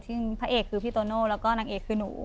ซึ่งพระเอกคือพี่โตโน่แล้วก็นางเอกคือหนู